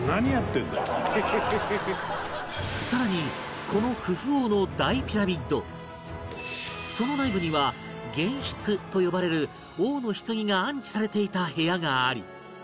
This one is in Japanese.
さらにこのその内部には玄室と呼ばれる王の棺が安置されていた部屋があり